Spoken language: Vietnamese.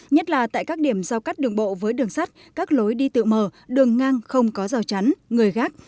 nhất là tại các điểm giao cắt đường bộ với đường sắt các lối đi tự mở đường ngang không có rào chắn người gác